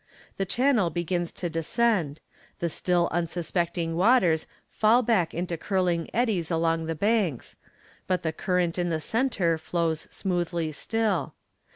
The channel begins to descend; the still unsuspecting waters fall back into curling eddies along the banks, but the current in the centre flows smoothly still.